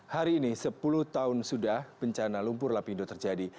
hari ini sepuluh tahun sudah bencana lumpur lapindo terjadi